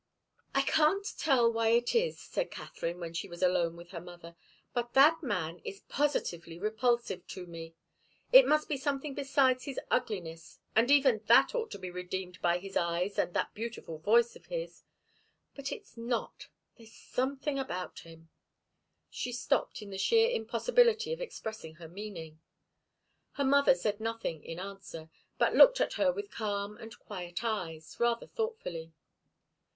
"I can't tell why it is," said Katharine, when she was alone with her mother, "but that man is positively repulsive to me. It must be something besides his ugliness, and even that ought to be redeemed by his eyes and that beautiful voice of his. But it's not. There's something about him " She stopped, in the sheer impossibility of expressing her meaning. Her mother said nothing in answer, but looked at her with calm and quiet eyes, rather thoughtfully.